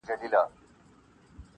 چي د کم موږک په نس کي مي غمی دی,